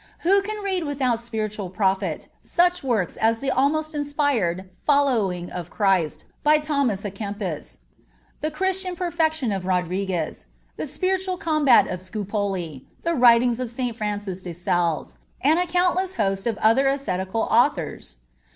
Who can read without spiritual profit such works as the almost inspired Following of Christ by Thomas à Kempis; the Christian Perfection of Rodriguez; the Spiritual Combat of Scupoli; the writings of St. Francis de Sales, and a countless host of other ascetical authors?